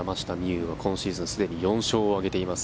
有は今シーズンすでに４勝を挙げています。